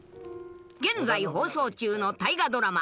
現在放送中の大河ドラマ